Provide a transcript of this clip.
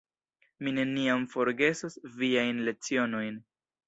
Mi neniam forgesos viajn lecionojn.